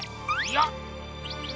よっ！